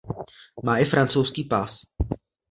Má i francouzský pas.